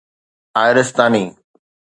آئرستاني